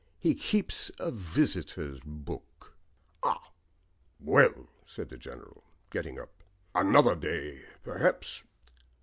"He keeps a visitors' book." "Ah, well," said the General, getting up, "another day, perhaps."